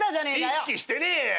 意識してねえよ！